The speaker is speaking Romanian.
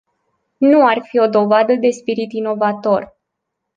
Nu ar fi o dovadă de spirit inovator.